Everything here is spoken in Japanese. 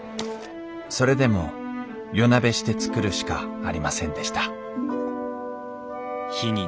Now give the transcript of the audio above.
それでも夜なべして作るしかありませんでしたる